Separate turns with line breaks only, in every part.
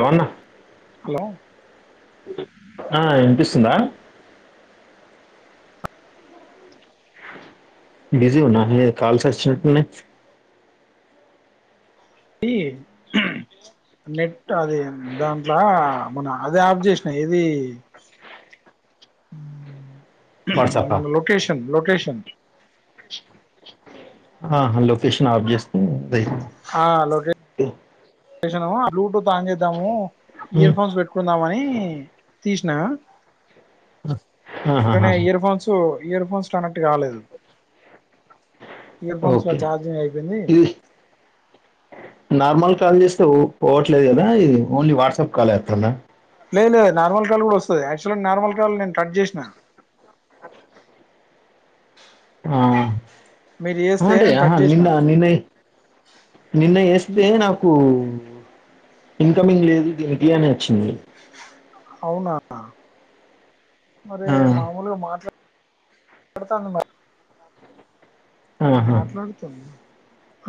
రవాన్న
hello
ఆ ఇనిపిస్తుందా busy ఉన్నా కాల్స్ వచ్చినట్న్నా
ఈ నట్ అది దాంట్లో అమ్మన అదే ఆబ్జేసిన ఏది
వాట్సాపా
మన లోకేషన్ లోకేషన్ వచ్చం
ఆా లోొకేషన్ ఆఫ్ చేస్తా బయి
చేసనా బ్లూటూత్ ఆన్ చేద్దాము
ఉమ్,
ఇయర్ ఫోన్స్ పెట్టుకుందామని తీష్ణ
ఆహాహా.
తనే ఇయర్ఫోన్స్ ఇయర్ ఫోన్స్ అన్నట్టు కాలేదు ఇయర్ఫోన్స్
ఓకే
చార్జింగ్ అయిపోంది
ఇది నార్మల్ కాల్ చేస్తే పోవట్లేదు కదా ఇది ఓన్లీ వాట్సాప్ కాల్ వేస్తందా
లేదు నార్మల్ కాలు కూడా వస్తుంది యాక్చువల్ నార్మల్ కాళ్ నేను కట్ చేసిన
ఆ
మీరు చేస్తే
అవుంటే
నేను కట్ చేసిన
నిన్న నిన్న నిన్న వేస్తే నాకు ఇన్కమింగ్ లేదు దీనికినికియాని వచ్చింది
అవునా మరి
ఆ,
మామూలుగా మాట్లాడ ఎడత అంద మరి
ఆహా.
మాట్లాడుతుంది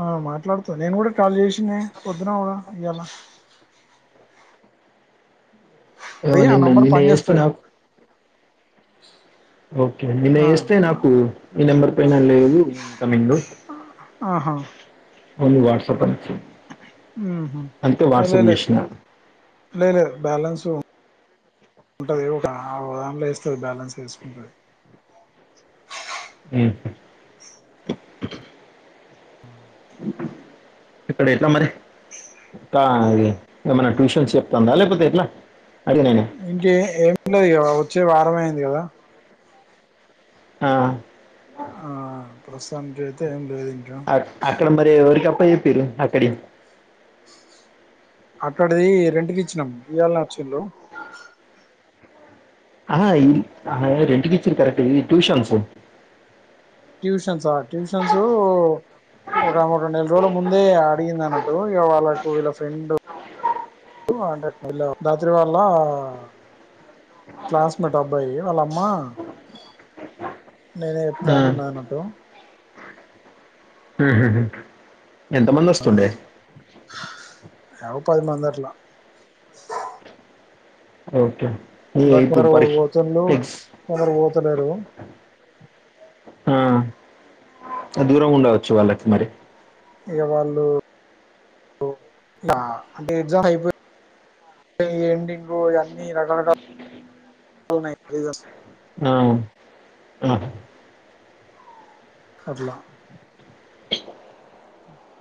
ఆ మాట్లాడుతా నేను కూడా కళేషనే పొద్దున ఉనా ఇలా
ఏమో నిన్న
నంబర్
నిన్న
పని
చేస్తే
చేేస్తది
నాకు ఓకే నిన్న
ఆ
ఎస్తే నాకు ఈ నెంబర్ పోయినా లేదు కమింగ్ లో
ఆహా
ఓన్లీ వాట్సాప్
అ
అని వచ్చింది అందుకే వాట్సాప్ చేసిన
బాలన్స్ తో ఉంటది. ఒక ఆవ్ అంలో ఏస్తది. బ్యాలెన్స్ ఏసుకుంటంది.
హు ఇప్పుడు ఎట్లా మరి కాయ్ ఏమైనా ట్యూషన్స్ చెప్తందా లేకపోతే ఎట్లా అడిగనేనే
ఇంకే ఏమున్నది. ఇగా వచ్చే వారం అయింది. కదా
ఆ
ఆహ
అక్ అక్కడ మరి ఎవరికప్ ఏపీరు అక్కడి
అట్లోడిది రెంట్ కిచ్చినం ఇయాలనే వచ్చిలు
ఆహా ఈ రెంటికిచ్చిరు కరెక్ట్ ఇవి ట్యూషన్సు
ట్యూషనసా, ట్యూషన్సు ఒక ఆమె రెండు నెల రోజుల ముందే అడిగిందనట్టు, ఇగా వాళ్ళకు వీళ్ళ ఫ్రెండు దాత్రి వాళ్ళ కలాన్స్మేట్ అబ్బాయి వాళ్ళమ్మా నేనే
ఆ.
చెప్తాను నాన్నటు.
హే హే ఎంత మంది వస్తుండే
యవ్ పదిమందాట్ల
ఓకే ఈ ఇప్పుడు
నాకోరు
పరీక్ష
వొచ్చార్లేవ్
ఎగ్స్
కొందరు పోతలేరు.
దూరం ఉండవచ్చు. వాళ్ళకి మరి
అంటే వాళ్ళు ఆ అంటే ఎగ్జామ్స్ అయిపోయి ఎండింగ్ ఇగా అన్ని రకరకలున్నాయి. రిజల్ట్స్ అట్లా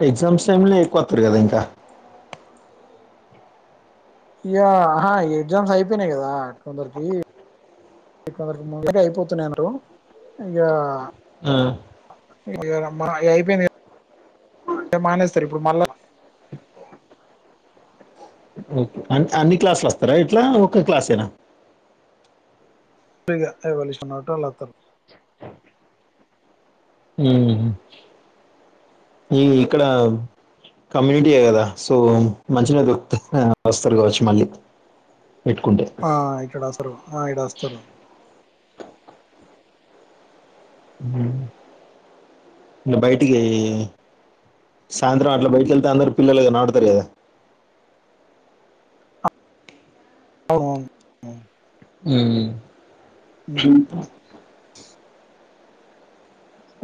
ఎగ్జామ్స్ టైమ్ లో ఎక్కువతారు కదా ఇంకా
ఇగా ఆహా ఎగ్జామ్స్ అయిపోయినాయ్ కదా. కొందరికిందరికి కొందర్కి ముందుగా అయిపోతున్నారు. ఇగా
ఆ
ఇగా రాంబారా అయ్యాయిపోనాయ్ మానేస్తారు ఇప్పుడు మళ్ళా
అన్ అన్ని క్లాసులు వస్తారా. ఇట్లా ఒక క్లాసేనా
తేగా ఎవల్ ఇష్టమంటేల్ వస్తరు.
హ్మ్. ఈ ఇక్కడ కమ్యూనిటీయే కదా సో మంచిగా దొరుకుతది వస్తారు, కావచ్చు మళ్ళీ పెట్టుకుంటే.
ఆ ఇక్కడ అసరు, ఆ ఇడా అస్తరు.
ఇగా బయటికేయి సాయంత్రం అట్లా బయటికెళ్తే అందరు పిల్లలు కన్వడతలేదా
అవున్ హు
ఉహు
ఇక్కడ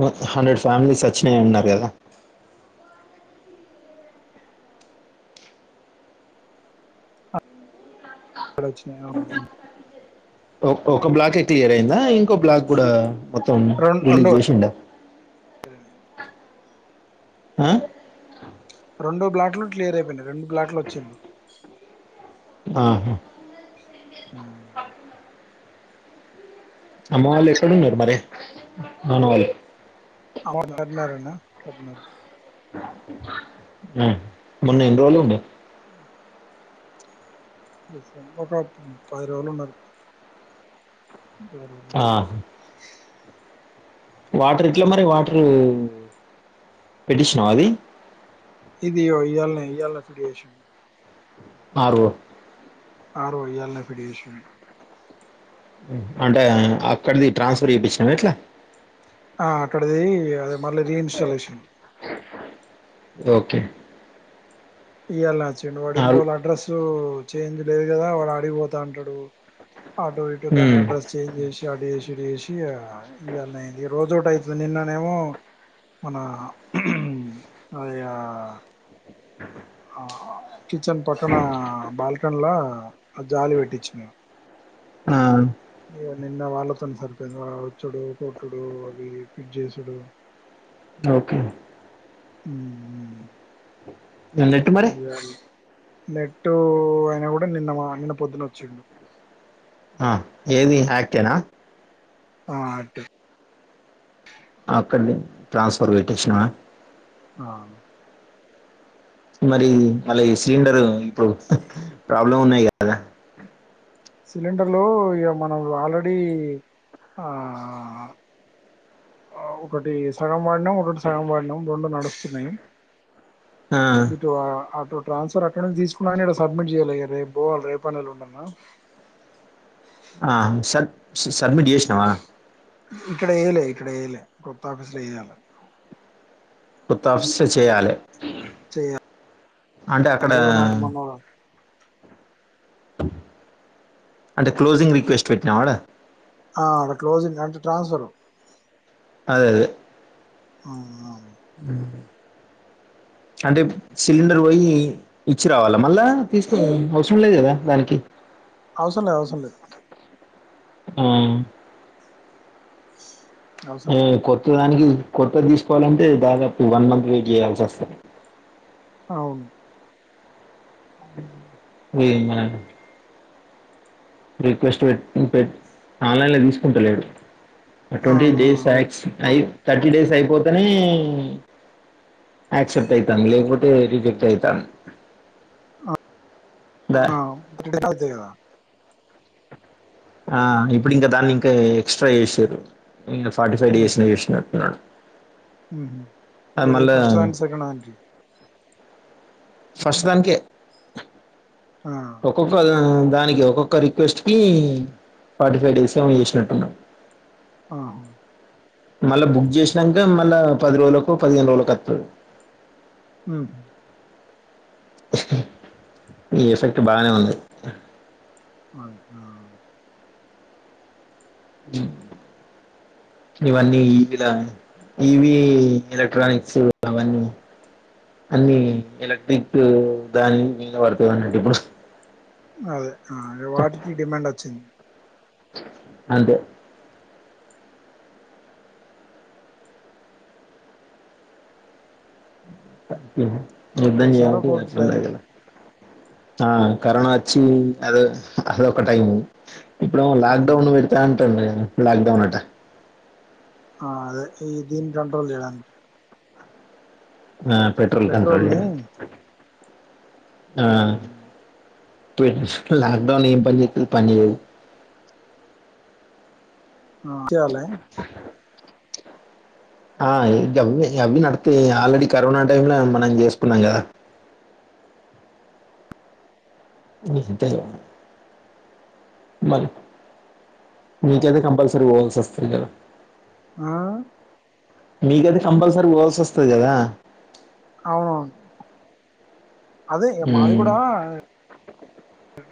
మొంత్ హండ్రెడ్ ఫ్యామిలీస్ వచ్చినాయండ్ నాగేదా
బాడొచ్చినాయి అవును హుహ్
ఓ ఒక బ్లాకే క్లియర్ అయిందాయ్ కో బ్లాక్ గుడా మొత్తం
రెండు రెండు
రిలీజ్ చేసిండా ఆ
రెండు బ్లాట్లు క్లియర్ అయిపోయినాయి రెండు గ్లాట్లు వచ్చింది.
నః
హ
అమ్మ వాలు ఎక్కడున్నారు మరే నాన్న వాళ్ళు
అంమౌంట్ కట్టినర్ అన్న కట్టినారు
ఉ మొన్న ఎన్రోలుండె
ఒక పది రోజులు ఉన్నారు పది రోజులు
ఆ!
ఉన్నారు
వాటర్ ఎట్ల మరి వాటరూ పెట్టించినావ అది
ఇది ఇగో ఇయల్నే ఇయాల్నే ఫిడ్ చేశిండు
ఆరు
బ్రో ఇయ్యల్నే పిడీ చేసిండు
అంటే అక్కడిది ట్రాన్స్ఫర్ చేపించినవ ఎట్లా
ఆ అక్కడిది అదే మళ్ళీ రీ ఇన్స్టాలేషన్
ఓకె
ఇయ్యాల చ్చిండు వాడు ఇండ్రో లడ్రస్సు చేంజ్ లేదు కదా వాడు ఆడిగిపోతంటడు ఆటు ఇటు దాని
ఉమ్.
అడ్రస్ చేంజ్ చేసి ఆదేసి టీట్ చేసి ఇగ ఇయ్యల్నే అయింది ఇగ రోజోటైతుంది నిన్ననే ఏమో మన అది ఆ
అ
ఆ కిచెన్ పక్కన బాల్కన్ల అది జాలి వెట్టిచ్చిన
ఆ
ఇగ నిన్న వాళ్ళతోని సరిపోఇంది వాడోచ్చుడు కొట్టుడు అవి ఫిట్ చేసుడు
ఓకే
హు మ్
నెట్ మరీ
నెట్టు అయినా కూడా నిన్న మా నిన్న పొద్దునోచ్చిండు
ఆ ఏది అక్ట్ ఏనా
ఆ అక్ట్ ఏ
ఆక్కండి ట్రాన్స్ఫర్ పెట్టిచ్చినావా
ఆ
మరి మళ్ళీ సిలిండర్ ఇప్పుడు ప్రాబ్లం ఉన్నాయి కదా
సిలిండర్లో ఇగ మనం ఆల్రెడీ ఆ ఆ ఒకటి సగం వాడినం ఒకటి సగం వాడినం రెండు నడుస్తున్నాయి
ఆ,
ఇటు ఆ అటు ట్రాన్స్ఫర్ అక్కడి నుంచి తీసుకున్న కానీ ఇడ సబ్మిట్ చేయ్యాలే ఇగ రేపు పోవాలి రేపన్న ఎల్లుండన్న
ఆ సర్ సడ్మిట్ చేసిన
ఇక్కడ చేయలే ఇక్కడ చేయలే కొత్త ఆఫీసు ల చెయ్యాలె
కొత్తఫీస్ ల చేయ్యాలె
చెయ్య
అక్కడ
అలాగే ఒ నాడు మన
అంటే క్లోజింగ్ రిక్వెస్ట్ పెట్టినావా ఆడ
అ క్లోజంగ్ అంటే ట్రాన్స్ఫర్
అదే అదే
అవునా
ఉమ్ అంటే సిలిండర్ పోయి ఇచ్చి రావాలా మళ్ళా, తీసుకరావడం అవసరం లేదు కదా దానికి?
అవసరం లేద్ అవసరం లేద్.
ఆ
అవసరం లేదు
ఉమ్ కొత్త దానికి కొత్తది తీసుకోవాలంటే దాదాపు వన్ మంత్ వెయిట్ చేయాల్సి ఆస్థాది.
అవున్
ఇది మన రిక్వెస్ట్ పెట్ పెట్ ఆన్లైన్ల తీసుకుంటలేడు. ఓ
ఆ
ట్వంటీ
ఆ
డేస్క్స్
అవును
ఆస్ అయ్ థర్టీ డేస్ అయిపోతేనే యాక్సెప్ట్ అయ్తాంది, లేకపోతే రిజెక్ట్ అయ్తాండ్.
ఆ రిటర్న్ అయితై కదా.
ఆ ఇప్పుడు ఇంకా దాన్ని ఇంకా ఎక్స్ట్రా చేసిన్లు. ఈ ఫార్టీ ఫైవ్ డిస్నీ చేసినట్టు ఉన్నాడు.
ఉహ్ ఉమ్ ఏది ఫస్ట్ హాండ్ సెకండ్ దానికి
ఫస్ట్ దానికే
ఆ
ఒక్కొక్కలు దానికి ఒక్కొక్క రిక్వెస్ట్కి, ఫార్టీ ఫైవ్ డేస్ ఏమో చేసినట్టు ఉన్నాడు.
ఆ
మళ్ళా బుక్ చేసినాక మళ్ళా పది రోజులకో పదిహేను రోజులకో అత్తాద్.
ఉమ్
ఈ ఎఫెక్ట్ బాగానే ఉంది.
అ ఆ
ఇవన్నీ ఇవిలా ఇవి ఎలక్ట్రానిక్స్ అవన్నీ అన్ని ఎలక్ట్రిక్ దానిమీద పడ్తది అన్నట్టు ఏమో
అదే ఆ వాటికి డిమాండ్ వచ్చింద్
అంతే త రిబ్బన్
ఒక్కోసారి ఒక్కోటి
[unintelligible]
టైం
ఉండాలే ఆ కరోనా వచ్చి అదో అదోఒకటి అయింద్ ఇప్పుడు ఏమో
ఉమ్
లాక్డౌన్ పెడతా అంటున్లు ఏమో లాక్డౌన్ ఆట
ఆ అదే ఈ దిన్ కంట్రోల్ చేయడానికి
నా పెట్రోల్ కంట్రోల్ చేయడానికి ఆ
ఉమ్
ట్వెన్స్ లోక్డౌన్ ఏం పని జేత్తది పని జేయదు
హా
ఆ ఇద్ [unintelligible] నడుత్తాయ్ ఆల్రెడీ కరోనా టైమ్ లో మనం చేసుకున్నాం కదా మీహిద్దరు
ఆ
మీకదీ కంపల్సరీ పోవల్సి వస్తది కదా
అవును అదే ఎ మాది
హ్మ్.
కూడా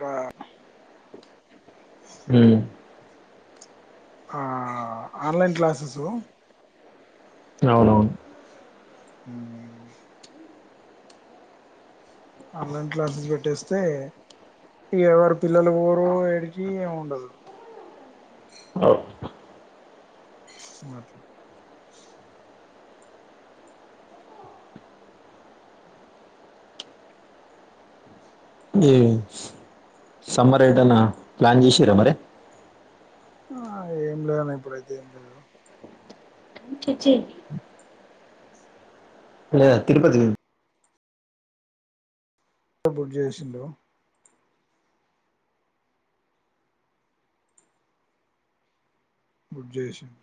రా
హ్మ్
ఆ ఆన్లైన్ క్లాసెసు
అవును అవును
ఆ ఆన్లైన్ క్లాసెస్ పెట్టేస్తే ఎవరు పిల్లలు ఊరు ఏడికి ఉండదు
ఓవ్
మ్ అట్లా
మ్మ్ సమ్మర్ ఏటన్నా ప్లాన్ చేసిర్రా మరి
ఆ ఏం లేదన్న ఇప్పుడైతే ఏం లేదు
అన్ స్టిచ్చింగ్ కి లే తిరుపతి
త బుక్ జేసిండు బుక్ జేషిండ్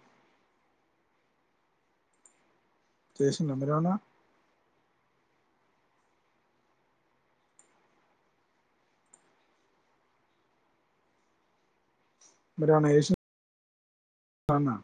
చేసిండ్రా అందరి ఏవన్నా మీరు ఏవన్నా ఏసిన్ తన్నా